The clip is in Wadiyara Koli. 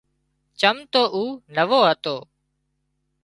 چم تو او نوو هتو